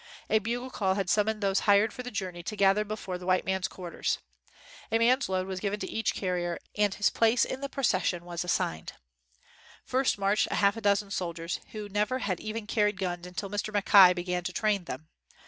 A bugle call had sum moned those hired for the journey to gather before the white man's quarters. A man's load was given to each carrier and his place 36 Pw AFTER THE NEWS WAS READ in the procession assigned. First marched a half dozen soldiers, who never had even carried guns until Mr. Mackay began to train them.